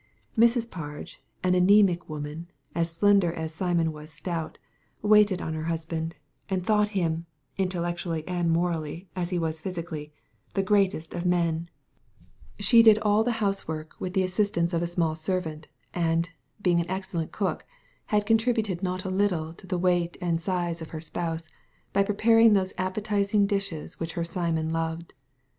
Mrs. Parge— an anaemic woman, as slender as SijQpn was stout—waited on her husband, and thought Digitized by Google 48 THE LADY FROM NOWHERE him — intellectually and morally, as he was physically — the greatest of men. She did all the house work with the assistance of a small servant, and, being an excellent cook, had contributed not a little to the weight and size of her spouse by preparing those appetizing dishes which her Simon loved.